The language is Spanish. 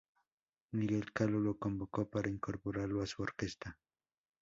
Miguel Caló lo convocó para incorporarlo a su orquesta.